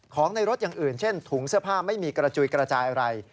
ของในรถอย่างอื่นเช่นถุงเสื้อผ้าไม่มีกระจุยกระจายอะไร